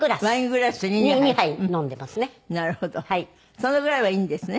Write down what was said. そのぐらいはいいんですね？